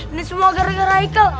ini semua gara gara icle